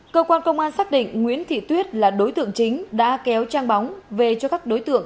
cơ quan công an xác định nguyễn thị tuyết là đối tượng chính đã kéo trang bóng về cho các đối tượng